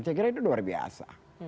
saya kira itu luar biasa